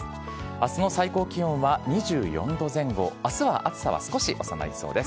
あすの最高気温は２４度前後、あすは暑さは少し収まりそうです。